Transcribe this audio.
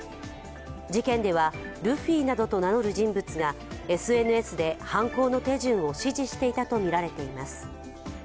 事件では、ルフィなどと名乗る人物がＳＮＳで犯行の手順などを指示していたとみられています。